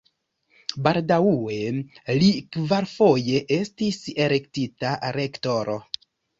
Baldaŭe li kvarfoje estis elektita rektoro.